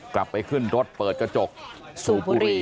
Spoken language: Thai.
กลับไปขึ้นรถเปิดกระจกสูบบุหรี่